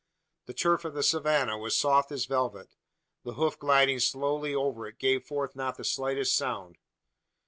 The turf of the savannah was soft as velvet. The hoof gliding slowly over it gave forth not the slightest sound.